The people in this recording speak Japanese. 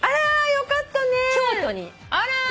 よかったね。